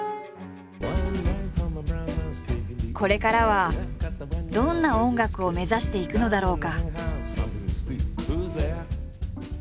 これからはどんな音楽を目指していくのだろうか？